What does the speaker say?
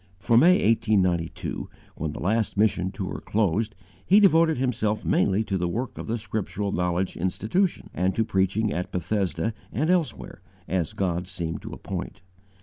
From May, 1892, when the last mission tour closed; he devoted himself mainly to the work of the Scriptural Knowledge Institution, and to preaching at Bethesda and elsewhere as God seemed to appoint.